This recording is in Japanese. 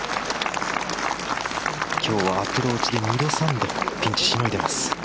今日はアプローチで２度３度ピンチをしのいでいます。